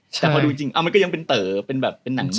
แต่พอดูจริงมันก็ยังเป็นเต๋อเป็นแบบเป็นหนัง